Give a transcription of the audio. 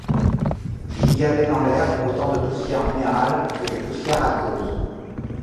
Il y avait dans l’air autant de poussière minérale que de poussière aqueuse.